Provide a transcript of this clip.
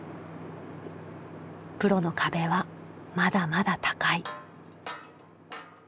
プロの壁はまだまだ高い。